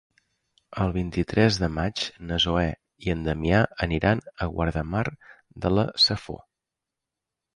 El vint-i-tres de maig na Zoè i en Damià aniran a Guardamar de la Safor.